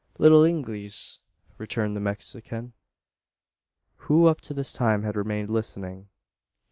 "Little Inglees," returned the Mexican, who up to this time had remained listening.